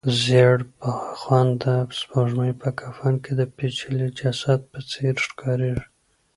زېړبخونده سپوږمۍ په کفن کې د پېچلي جسد په څېر ښکاریږي.